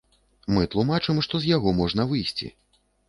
Мы тлумачым, што з яго можна выйсці.